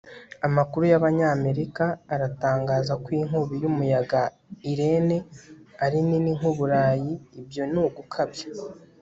Amakuru yAbanyamerika aratangaza ko inkubi yumuyaga Irene ari nini nkUburayi ibyo ni ugukabya